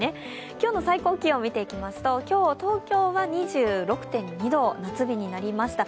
今日の最高気温見ていきますと東京は２６．２度、夏日になりました。